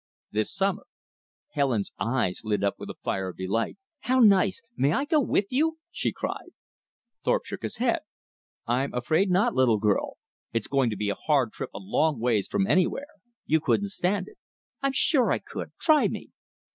"This summer." Helen's eyes lit up with a fire of delight. "How nice! May I go with you?" she cried. Thorpe shook his head. "I'm afraid not, little girl. It's going to be a hard trip a long ways from anywhere. You couldn't stand it." "I'm sure I could. Try me."